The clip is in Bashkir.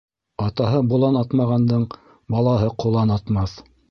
Атаһы болан атмағандың балаһы ҡолан атмаҫ.